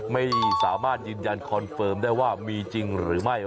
ไม่สามารถยืนยันคอนเฟิร์มได้ว่ามีจริงหรือไม่